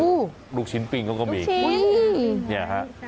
อือลูกชิ้นปิ้งเขาก็มีลูกชิ้นเนี้ยฮะ